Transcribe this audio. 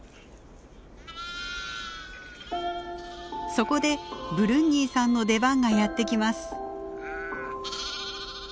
そこでブルンニーさんの出番がやって来ます。